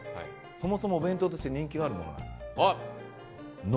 そもそもお弁当として人気があるものなのよ。